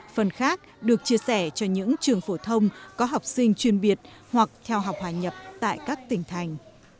phần khác được chia sẻ cho những trường phổ thông có học sinh chuyên biệt hoặc theo học hòa nhập tại các tỉnh thành